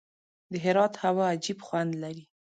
د هرات هوا عجیب خوند لري.